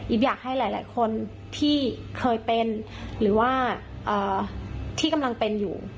อยากให้หลายคนที่เคยเป็นหรือว่าที่กำลังเป็นอยู่